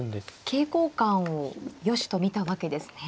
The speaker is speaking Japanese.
桂交換をよしと見たわけですね。